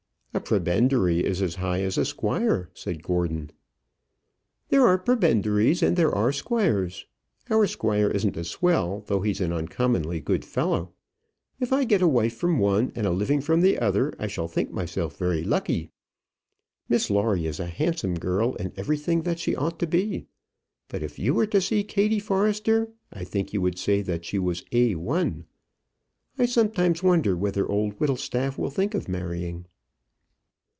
"A prebendary is as high as a squire," said Gordon. "There are prebendaries and there are squires. Our squire isn't a swell, though he's an uncommonly good fellow. If I get a wife from one and a living from the other, I shall think myself very lucky. Miss Lawrie is a handsome girl, and everything that she ought to be; but if you were to see Kattie Forrester, I think you would say that she was A 1. I sometimes wonder whether old Whittlestaff will think of marrying."